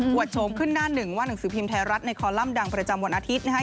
วดโฉมขึ้นหน้าหนึ่งว่าหนังสือพิมพ์ไทยรัฐในคอลัมป์ดังประจำวันอาทิตย์นะคะ